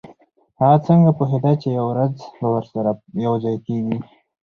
هغه څنګه پوهیده چې یوه ورځ به ورسره یوځای کیږي